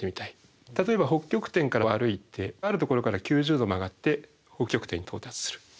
例えば北極点から歩いてあるところから９０度曲がって北極点に到達する。